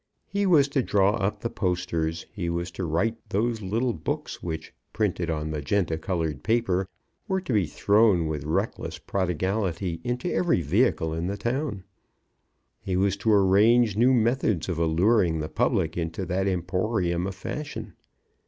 He was to draw up the posters; he was to write those little books which, printed on magenta coloured paper, were to be thrown with reckless prodigality into every vehicle in the town; he was to arrange new methods of alluring the public into that emporium of fashion.